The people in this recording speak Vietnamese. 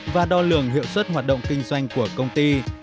và đo lường hiệu suất hoạt động kinh doanh của công ty